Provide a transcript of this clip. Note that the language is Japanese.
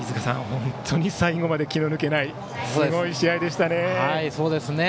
本当に最後まで気の抜けないすごい試合でしたね。